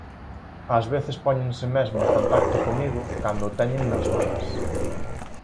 Ás veces póñense mesmo en contacto comigo cando o teñen nas mans.